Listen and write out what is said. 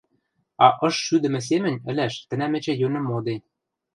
а ыш шӱдӹмӹ семӹнь ӹлӓш тӹнӓм эче йӧнӹм моде.